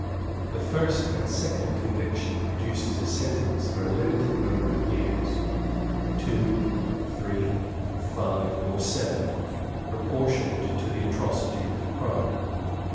The first and second conviction produces a sentence for a limited number of years two, three, five, or seven, proportioned to the atrocity of the crime.